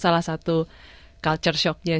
salah satu culture shocknya